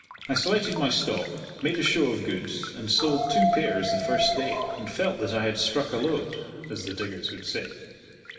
I selected my stock, made a show of goods, and sold two pairs the first day, and felt that I had struck a lode, as the diggers would say.